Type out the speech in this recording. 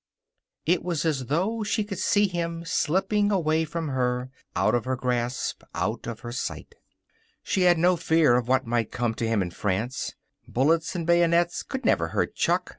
It was as though she could see him slipping away from her, out of her grasp, out of her sight. She had no fear of what might come to him in France. Bullets and bayonets would never hurt Chuck.